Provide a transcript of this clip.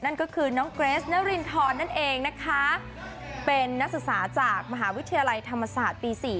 นั่นก็คือน้องเกรสนรินทรนั่นเองนะคะเป็นนักศึกษาจากมหาวิทยาลัยธรรมศาสตร์ปี๔